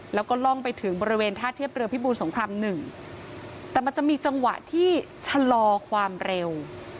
แล้วก็ล่องไปถึงบริเวณท่าเทียบเรือพิบูรสงครามหนึ่งแต่มันจะมีจังหวะที่ชะลอความเร็ว